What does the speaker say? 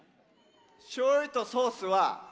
しょうゆとソースはＴＫＮ。